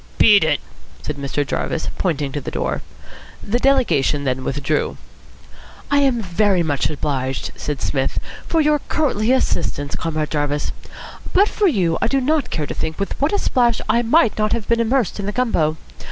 "Beat it," said Mr. Jarvis, pointing to the door. The delegation then withdrew. "I am very much obliged," said Psmith, "for your courtly assistance, Comrade Jarvis. But for you I do not care to think with what a splash I might not have been immersed in the gumbo.